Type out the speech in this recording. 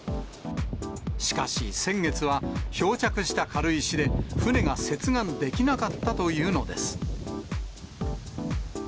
しかし先月は、漂着した軽石で、船が接岸できなかったというのです。